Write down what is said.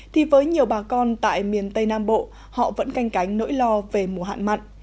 thì với nhiều bà con tại miền tây nam bộ họ vẫn canh cánh nỗi lo về mùa hạn mặn